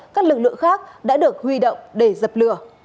các lực lượng khác đã được huy động để dập lửa